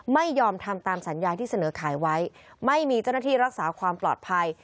ไม่ยอมทำตามสัญญาที่เสนอขายไว้ไม่มีเจ้าหน้าที่รักษาความปลอดภัย